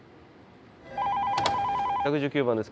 ☎１１９番です。